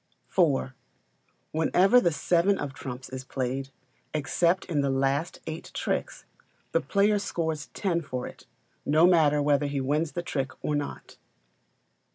iv. Whenever the seven of trumps is played, except in the last eight tricks, the player scores ten for it, no matter whether he wins the trick or not.